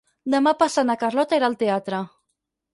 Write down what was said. Demà passat na Carlota irà al teatre.